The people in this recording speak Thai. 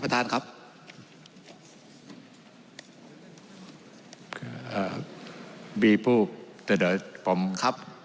ท่านประธานครับ